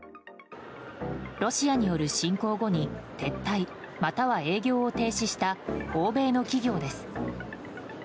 ロシアによる侵攻後に撤退または営業を停止した欧米の企業です。